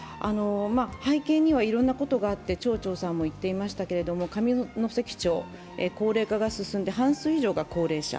背景にはいろんなことがあって町長さんも言ってましたけれども上関町、高齢化が進んで半数以上が高齢者。